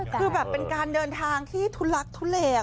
คือแบบเป็นการเดินทางที่ทุลักทุเล